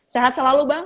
sehat selalu bang